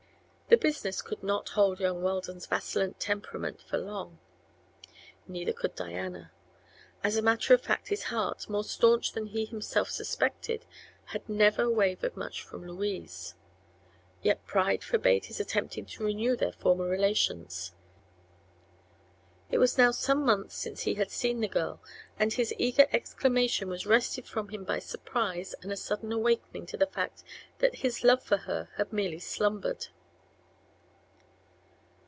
The business could not hold young Weldon's vacillant temperament for long; neither could Diana. As a matter of fact his heart, more staunch than he himself suspected, had never wavered much from Louise. Yet pride forbade his attempting to renew their former relations. It was now some months since he had seen the girl, and his eager exclamation was wrested from him by surprise and a sudden awakening to the fact that his love for her had merely slumbered.